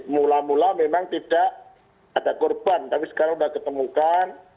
mula mula memang tidak ada korban tapi sekarang sudah ketemukan